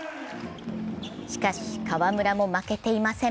しかし河村も負けていません。